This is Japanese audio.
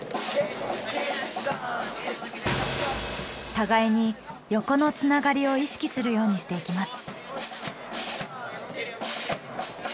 互いに横のつながりを意識するようにしていきます。